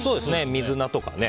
水菜とかね。